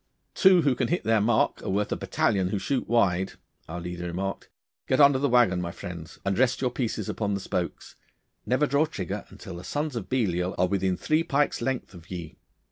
'Two who can hit their mark are worth a battalion who shoot wide,' our leader remarked, 'Get under the waggon, my friends, and rest your pieces upon the spokes. Never draw trigger until the sons of Belial are within three pikes' length of ye.